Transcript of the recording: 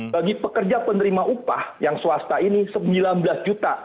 bagi pekerja penerima upah yang swasta ini sembilan belas juta